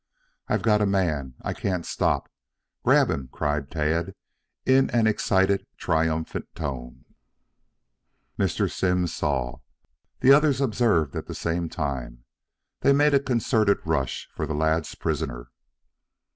"I've got a man. I can't stop. Grab him!" cried Tad in an excited, triumphant tone. Mr. Simms saw. The others observed at the same time. They made a concerted rush for the lad's prisoner.